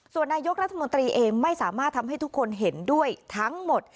ส่วนนายกรัฐมนตรีเองไม่สามารถทำให้ทุกคนเห็นด้วยทั้งหมด